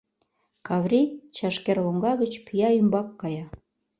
Каврий чашкер лоҥга гыч пӱя ӱмбак кая.